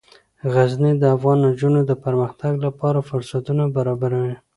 غزني د افغان نجونو د پرمختګ لپاره فرصتونه برابروي.